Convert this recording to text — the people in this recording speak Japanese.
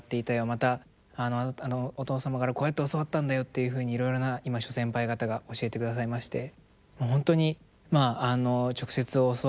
また「お父様からこうやって教わったんだよ」っていうふうにいろいろな今諸先輩方が教えてくださいまして。